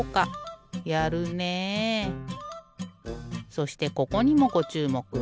そしてここにもごちゅうもく。